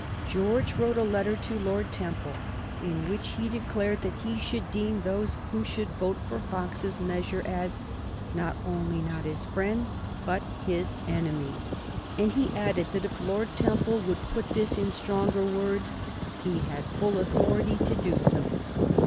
George wrote a letter to Lord Temple in which he declared that he should deem those who should vote for Fox's measure as "not only not his friends, but his enemies;" and he added that if Lord Temple could put this in stronger words "he had full authority to do so."